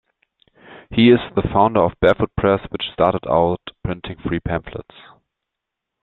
He is the founder of Barefoot Press, which started out printing free pamphlets.